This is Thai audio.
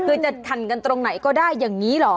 คือจะทันกันตรงไหนก็ได้อย่างนี้เหรอ